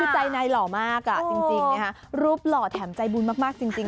คือใจในหล่อมากจริงนะคะรูปหล่อแถมใจบุญมากจริง